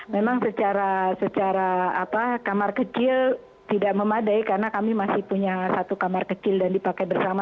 memang secara kamar kecil tidak memadai karena kami masih punya satu kamar kecil dan dipakai bersama